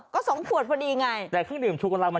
โทษกับช่างครับ